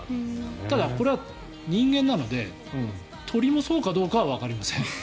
ただ、これは人間なので鳥もそうかどうかはわかりません。